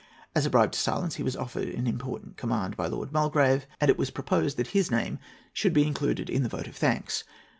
As a bribe to silence he was offered an important command by Lord Mulgrave, and it was proposed that his name should be included in the vote of thanks.